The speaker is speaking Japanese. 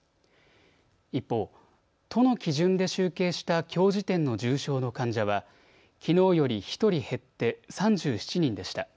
一方、都の基準で集計したきょう時点の重症の患者はきのうより１人減って３７人でした。